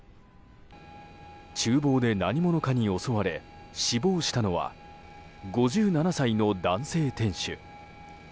厨房で何者かに襲われ死亡したのは５７歳の男性店主。